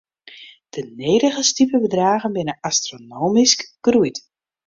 De nedige stipebedraggen binne astronomysk groeid.